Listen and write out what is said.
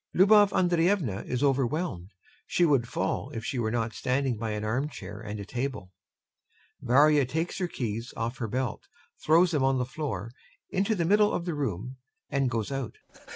[LUBOV ANDREYEVNA is overwhelmed; she would fall if she were not standing by an armchair and a table. VARYA takes her keys off her belt, throws them on the floor, into the middle of the room and goes out.